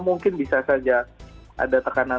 mungkin bisa saja ada tekanan